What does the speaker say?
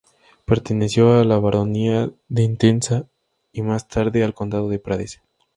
Perteneció a la baronía de Entenza y más tarde al condado de Prades.